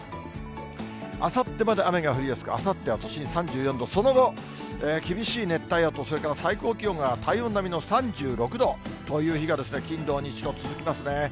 あさってまで雨が降りやすく、あさっては都心３４度、その後、厳しい熱帯夜と、それから最高気温が体温並みの３６度という日が、金、土、日と続きますね。